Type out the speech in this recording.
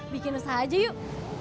bikin usaha aja yuk